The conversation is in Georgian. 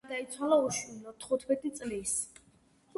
იგი გარდაიცვალა უშვილოდ, თხუთმეტი წლის.